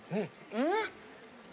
うん！